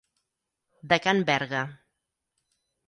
De Can Verga.